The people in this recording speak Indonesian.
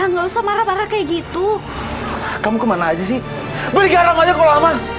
nggak usah marah marah kayak gitu kamu ke mana aja sih beri garam aja kalau